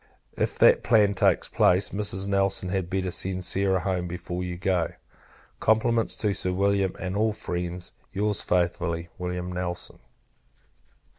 If that plan takes place, Mrs. Nelson had better send Sarah home before you go. Compliments to Sir William, and all friends. Your's very faithfully, Wm. NELSON. IV.